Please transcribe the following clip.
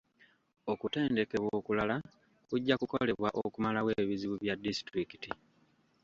Okutendekebwa okulala kujja kukolebwa okumalawo ebizibu bya disitulikiti.